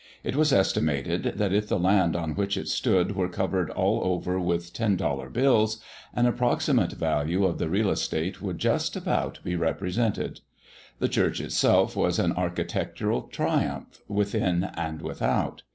It was estimated that if the land on which it stood were covered all over with ten dollar bills, an approximate value of the real estate would just about be represented. The church itself was an architectural triumph, within and without.